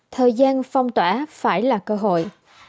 thời gian phong tỏa phải là cơ hội